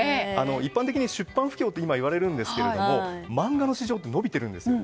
一般的に出版不況と今は言われるんですが漫画の市場って伸びてるんです。